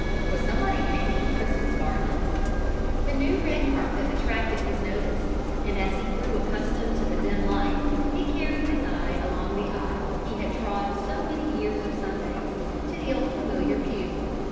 Was somebody hanging Christmas garlands? The new red carpet attracted his notice, and as he grew accustomed to the dim light, it carried his eye along the aisle he had trod so many years of Sundays, to the old familiar pew.